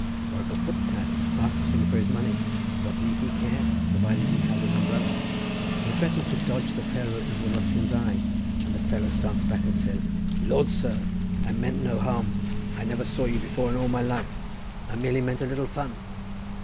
Or if a footpad asks him for his money, what need he care provided he has an umbrella? he threatens to dodge the ferrule into the ruffian's eye, and the fellow starts back and says, "Lord, sir! I meant no harm. I never saw you before in all my life. I merely meant a little fun."